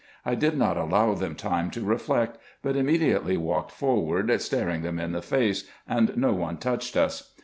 I did not allow them IN EGYPT, NUBIA, &c. 69 time to reflect, but immediately walked forward, staring them in the face, and no one touched us.